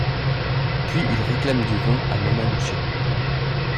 Puis, il réclame du vin à Mamma Lucia.